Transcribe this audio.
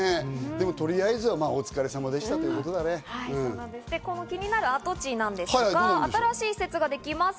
とりあえずはお疲れさまでし気になる跡地ですが、新しい施設ができます。